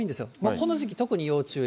この時期、特に要注意。